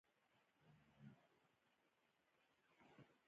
که کالي او لباس قیمته شي بیا هم څه ناڅه ګوزاره کیږي.